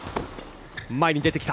前に出てきた。